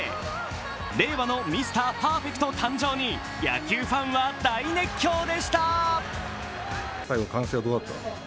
令和のミスターパーフェクト誕生に、野球ファンは大熱狂でした。